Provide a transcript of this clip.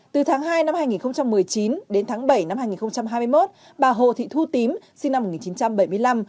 từ tháng hai năm hai nghìn một mươi chín đến tháng bảy năm hai nghìn hai mươi một bà hồ thị thu tím sinh năm một nghìn chín trăm bảy mươi năm